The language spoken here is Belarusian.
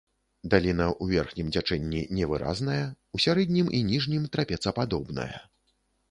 Даліна ў верхнім цячэнні невыразная, у сярэднім і ніжнім трапецападобная.